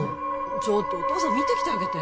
ちょっとお父さん見てきてあげて・